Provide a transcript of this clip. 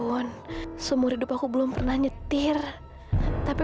jangan lakukan semua ini rizky